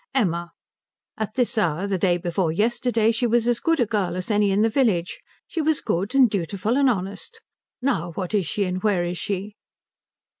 "Emma. At this hour the day before yesterday she was as good a girl as any in the village. She was good, and dutiful, and honest. Now what is she and where is she?"